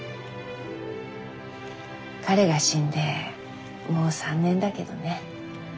彼が死んでもう３年だけどね。